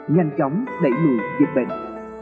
nhanh chóng đẩy lùi dịch bệnh